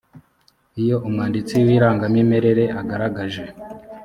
iyo umwanditsi w irangamimerere agaragaje